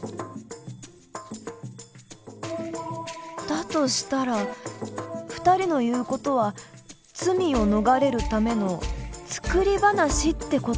だとしたら２人の言う事は罪を逃れるための作り話って事？